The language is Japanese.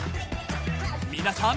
［皆さん